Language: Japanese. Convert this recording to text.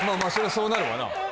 そうなるわな